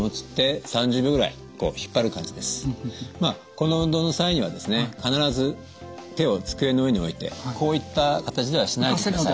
この運動の際には必ず手を机の上に置いてこういった形ではしないでください。